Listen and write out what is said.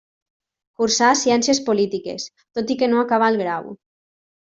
Cursà ciències polítiques, tot i que no acabà el grau.